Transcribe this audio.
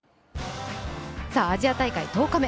アジア大会１０日目。